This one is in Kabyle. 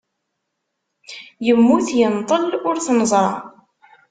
Yemmut, yenṭel ur t-neẓra.